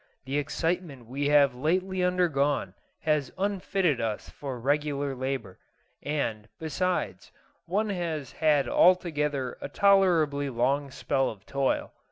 The excitement we have lately undergone has unfitted us for regular labour; and, besides, one has had altogether a tolerably long spell of toil.